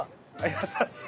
優しい。